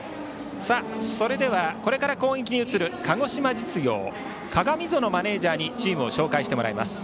それではこれから攻撃に移る鹿児島実業の鏡園マネージャーにチームを紹介してもらいます。